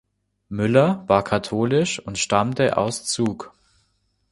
Müller war katholisch und stammte aus Zug.